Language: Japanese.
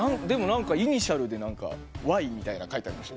イニシャルで「Ｙ」みたいな書いてありました。